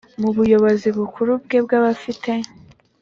mu buyobozi bukuru bwe bafite